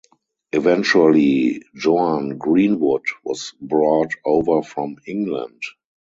Eventually Joan Greenwood was brought over from England.